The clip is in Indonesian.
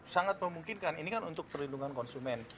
sangat memungkinkan ini kan untuk perlindungan konsumen